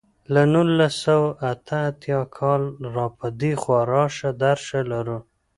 له نولس سوه اته اته کال را په دېخوا راشه درشه لرو.